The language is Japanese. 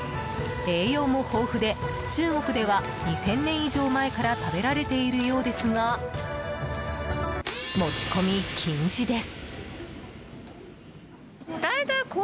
栄養も豊富で、中国では２０００年以上前から食べられているようですが持ち込み禁止です。